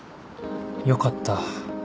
よかった